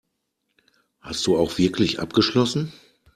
Hast du auch wirklich abgeschlossen?